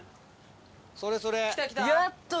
それそれ。